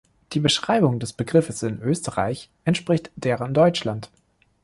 Die Beschreibung des Begriffes in Österreich entspricht der in Deutschland.